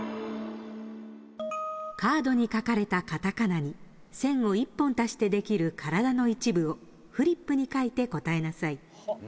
カードに書かれたカタカナに線を１本足してできる体の一部をフリップに書いて答えなさい。